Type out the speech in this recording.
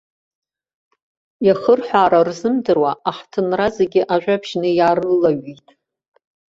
Иахырҳәаара рзымдыруа аҳҭынра зегьы ажәабжьны иаарылаҩит.